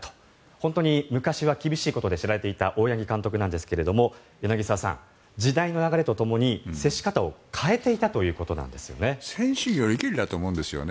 本当に昔は厳しいことで知られていた大八木監督なんですが柳澤さん、時代の流れとともに接し方を変えていたということなんですよね。